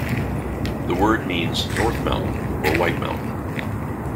The word means "north mountain" or "white mountain".